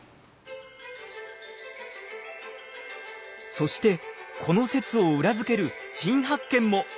そしてこの説を裏付ける新発見も。